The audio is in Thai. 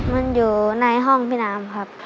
มันอยู่ในห้องพี่น้ำครับ